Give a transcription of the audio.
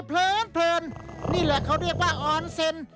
เพลินนี่แหละเขาเรียกว่าออนเซ็น